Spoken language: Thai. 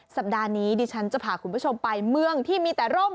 สัปดาห์นี้ดิฉันจะพาคุณผู้ชมไปเมืองที่มีแต่ร่ม